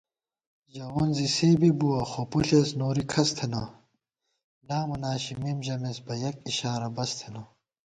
ژَوون زی سےبئ بُوَہ خو پݪېس نوری کھس تھنہ * لامہ ناشِمېم ژَمېس بہ یَک اِشارہ بس تھنہ